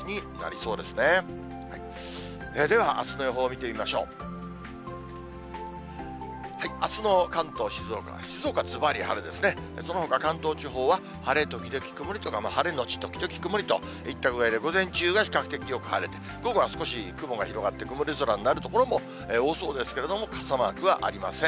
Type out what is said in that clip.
そのほか関東地方は晴れ時々曇りとか晴れ後時々曇りといった具合で、午前中が比較的よく晴れて、午後は少し雲が広がって、曇り空になる所も多そうですけれども、傘マークはありません。